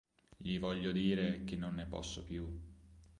Gli voglio dire che non ne posso più.